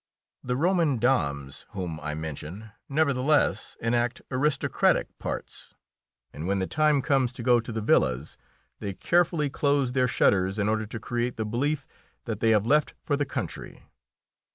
The Roman dames whom I mention nevertheless enact aristocratic parts, and when the time comes to go to the villas they carefully close their shutters in order to create the belief that they have left for the country.